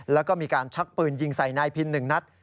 แล้วก็มีการชักปืนยิงใส่นายพิน๑นัด